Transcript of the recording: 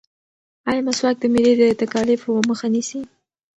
ایا مسواک د معدې د تکالیفو مخه نیسي؟